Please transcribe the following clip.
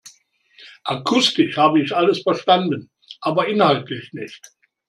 Akustisch habe ich alles verstanden, aber inhaltlich nicht.